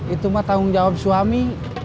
itu mah tanggung jawab suami